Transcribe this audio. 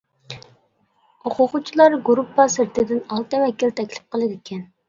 ئوقۇغۇچىلار گۇرۇپپا سىرتىدىن ئالتە ۋەكىل تەكلىپ قىلىدىكەن.